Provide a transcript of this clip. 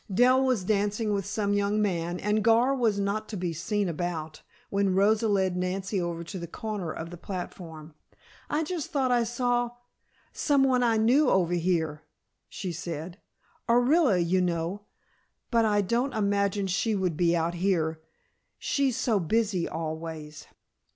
Dell was dancing with some young man, and Gar was not to be seen about, when Rosa led Nancy over to a corner of the platform. "I just thought I saw someone I knew over here," she said, "Orilla, you know. But I don't imagine she would be out here she's so busy, always."